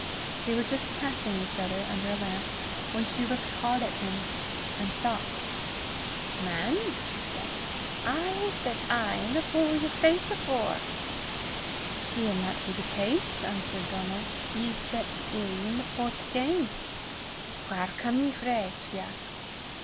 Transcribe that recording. They were just passing each other, under a lamp, when she looked hard at him, and stopped. "Man," she said, "I hae set e'en upo' your face afore!" "Gien that be the case," answered Donal, "ye set e'en upo' 't again." "Whaur come ye frae?" she asked.